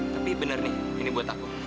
tapi benar nih ini buat aku